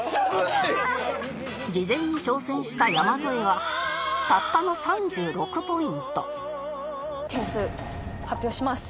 事前に挑戦した山添はたったの点数発表します。